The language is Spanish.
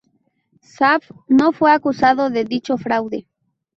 Saab no fue acusado de dicho fraude.